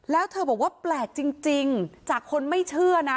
แล้วเธอบอกว่าแปลกจริงจากคนไม่เชื่อนะ